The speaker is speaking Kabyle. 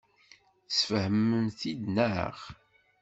Tesfehmem-t-id, naɣ?